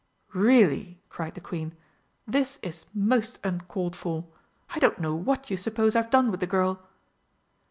"Really!" cried the Queen, "this is most uncalled for! I don't know what you suppose I've done with the girl?"